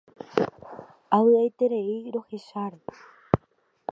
Avy'aite rohecháre.